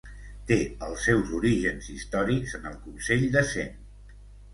Té els seus orígens històrics en el Consell de Cent.